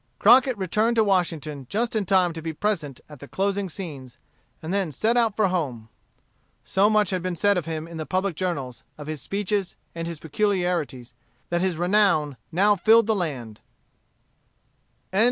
Crockett returned to Washington just in time to be present at the closing scenes, and then set out for home. So much had been said of him in the public journals, of his speeches and his peculiarities, that his renown now filled the land.